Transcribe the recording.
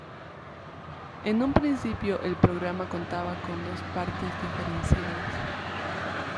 En un principio, el programa contaba con dos partes diferenciadas.